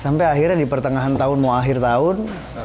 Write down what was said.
sampai akhirnya di pertengahan tahun mau akhir tahun